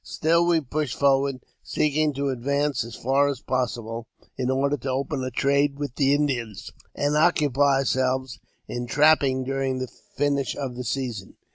Still we pushed forward, seeking to advance as far as possible, in order to open a trade with the Indians, and occupy ourselves in trapping during the finish of the season.